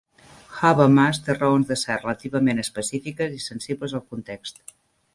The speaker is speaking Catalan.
Habermas té raons de ser relativament específiques i sensibles al context.